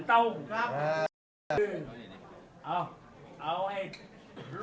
สวัสดีครับ